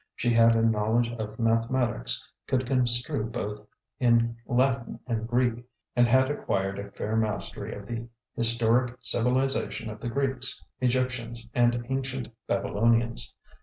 She had a knowledge of mathematics, could construe both in Latin and Greek, and had acquired a fair mastery of the historic civilization of the Greeks, Egyptians and ancient Babylonians.